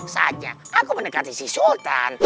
saja aku mendekati si sultan